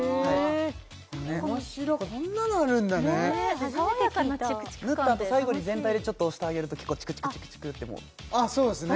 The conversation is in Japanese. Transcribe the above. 面白いこんなのあるんだね塗ったあと最後に全体でちょっと押してあげると結構チクチクチクチクってもうあっそうですね